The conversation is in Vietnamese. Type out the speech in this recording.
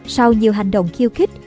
sau nhiều hành động khiêu khích